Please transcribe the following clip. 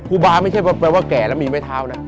ครูบาไม่ใช่แปลว่าแก่แล้วมีไม้เท้านะ